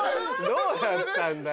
どうなったんだよ？